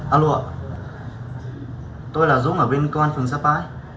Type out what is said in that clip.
alo ạ tôi là dũng ở bên công an phường sapa